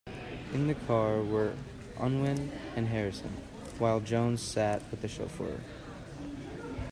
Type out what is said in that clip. In the car were Unwin and Harrison, while Jones sat with the chauffeur.